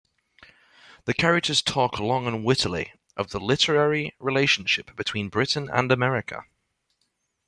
The characters talk long and wittily of the literary relationship between Britain and America.